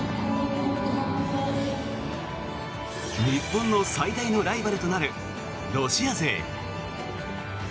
日本の最大のライバルとなるロシア勢。